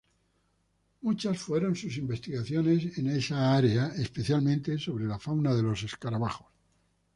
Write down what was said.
Muchas fueron sus investigaciones en esa área, especialmente sobre la fauna de escarabajos.